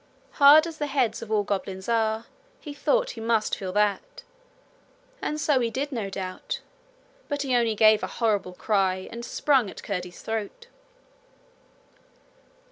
Hard as the heads of all goblins are, he thought he must feel that. And so he did, no doubt; but he only gave a horrible cry, and sprung at Curdie's throat.